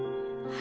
あ！